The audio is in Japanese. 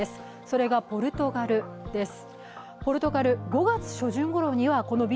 それがポルトガルです。